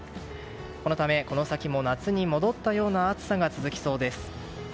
このため、この先も夏に戻ったような暑さが続きそうです。